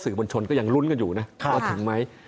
บนชนก็ยังลุ้นกันอยู่นะว่าถึงไหม